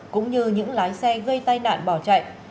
cũng như những lái xe gây tai nạn bỏ chạy